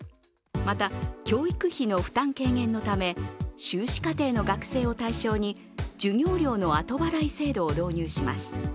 また、教育費の負担軽減のため、修士課程の学生を対象に授業料の後払い制度を導入します。